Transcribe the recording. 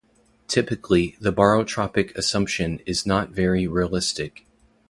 Typically, the barotropic assumption is not very realistic.